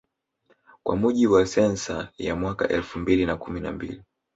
Kwa mujibu wa sensa ya mwaka elfu mbili na kumi na mbili